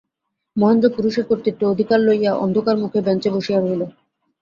মহেন্দ্র পুরুষের কর্তৃত্ব-অধিকার লইয়া অন্ধকার-মুখে বেঞ্চে বসিয়া রহিল।